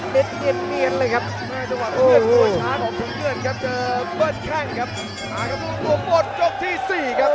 อังคารคือเปลวปกปกสิทธิ์๔ครับ